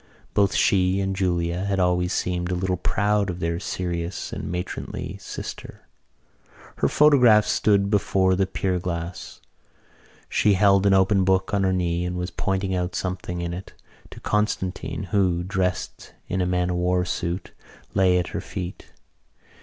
Both she and Julia had always seemed a little proud of their serious and matronly sister. Her photograph stood before the pierglass. She held an open book on her knees and was pointing out something in it to Constantine who, dressed in a man o' war suit, lay at her feet.